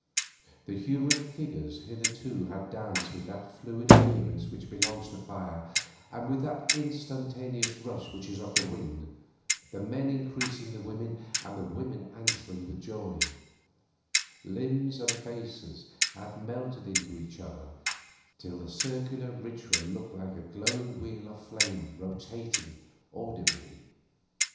The human figures hitherto had danced with that fluid appearance which belongs to fire, and with that instantaneous rush which is of wind, the men increasing the women, and the women answering with joy; limbs and faces had melted into each other till the circular ritual looked like a glowing wheel of flame rotating audibly.